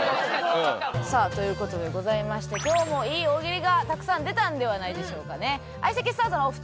さあという事でございまして今日もいい大喜利がたくさん出たんではないでしょうかね。